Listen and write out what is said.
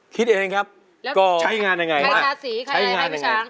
คิดเองครับก็มาใช้งานอย่างไรใช้งานอย่างไรพี่ช้าง